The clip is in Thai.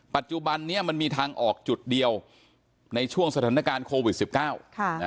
ปัจจุบันนี้มันมีทางออกจุดเดียวในช่วงสถานการณ์โควิดสิบเก้าค่ะ